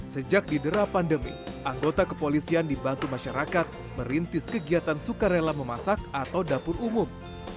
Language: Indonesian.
sejak didera pandemi anggota kepolisian dibantu masyarakat merintis kegiatan sukarela memasak atau dapur umum